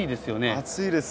暑いです。